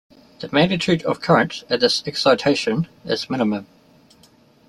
The magnitude of current at this excitation is minimum.